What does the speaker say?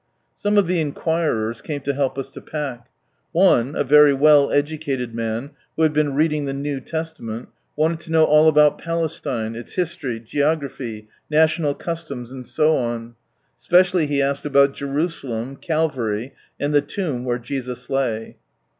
Some of the inquirers came to help us to pack. One, a very well educated man, who had been reading the New Testament, wanted to know all about Pales tine, its history, geography, national customs, and so on. Specially he asked about Jerusalem, Calvary, and the tomb where Jesus lay.